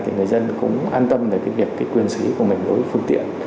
thì người dân cũng an tâm về việc quyền sử dụng của mình đối với phương tiện